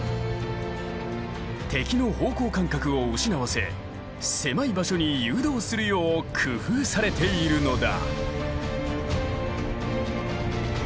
敵の方向感覚を失わせ狭い場所に誘導するよう工夫されているのだ。